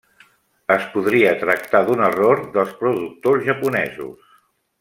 Es podria tractar d'un error dels productors japonesos.